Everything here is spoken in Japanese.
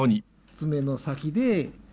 爪の先で。